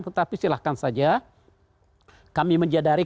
tetapi silahkan saja kami menjadari